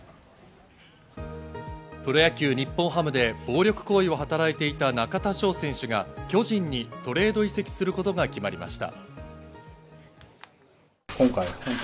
プロ野球・日本ハムで暴力行為をはたらいていた中田翔選手が巨人にトレード移籍することが決まりました。